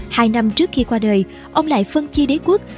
hai năm trước khi qua đời ông lại phân chi đế quốc